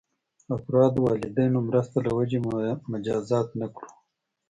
افراد والدینو مرسته له وجې مجازات نه کړو.